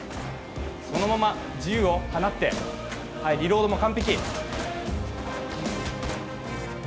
そのまま、銃を放ってリロードも完璧。